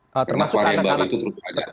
karena varian baru itu terus ada